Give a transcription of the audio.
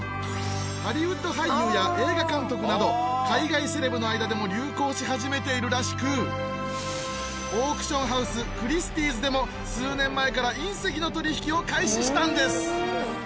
ハリウッド俳優や映画監督など海外セレブの間でも流行し始めているらしくオークションハウスクリスティーズでも数年前から隕石の取り引きを開始したんです